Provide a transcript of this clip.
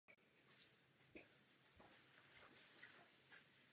Po odsouzení byl vyloučen z řad letců a převelen k pěchotě.